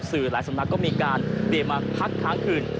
สื่อหลายสำนักก็มีการเตรียมมาพักค้างคืน